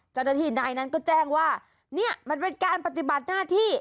เจ้าหน้าที่นายนั้นก็แจ้งว่าเนี่ยมันเป็นการปฏิบัติหน้าที่